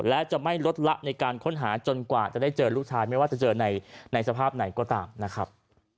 และจะไม่ลดละในการค้นหาจนกว่าจะได้เจอลูกชายไม่ว่าจะเจอในสภาพไหนก็ตามนะครับ